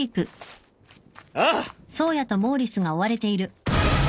ああ！